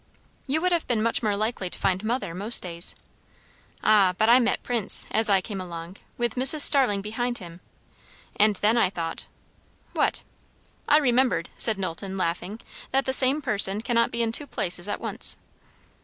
"You would have been much more likely to find mother, most days." "Ah, but I met Prince, as I came along, with Mrs. Starling behind him; and then I thought" "What?" "I remembered," said Knowlton, laughing, "that the same person cannot be in two places at once!"